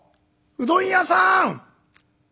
うどん屋さん！」。